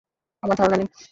আমার ধারণা নেই।